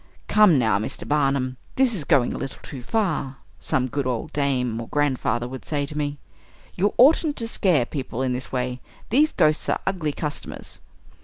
"Come, now, Mr. Barnum this is going a little too far!" some good old dame or grandfather would say to me. "You oughtn't to scare people in this way. These ghosts are ugly customers!"